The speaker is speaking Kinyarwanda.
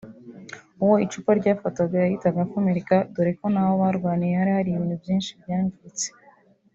uwo icupa ryafataga yahitaga akomereka dore ko n’aho barwaniye hari ibintu byinshi byangiritse